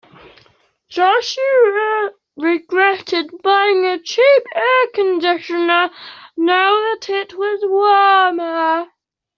Joshua regretted buying a cheap air conditioner now that it was warmer.